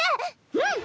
うん！